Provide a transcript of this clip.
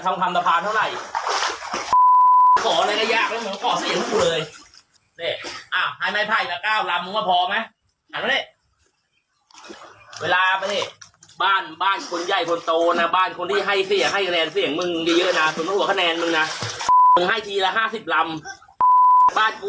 ตอนนี้อา